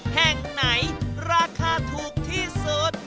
แห่งไหนราคาถูกที่สุด